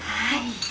はい。